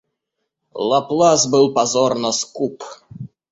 Лаплас был позорно скуп.